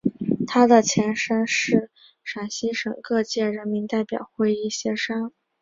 它的前身是陕西省各界人民代表会议协商委员会。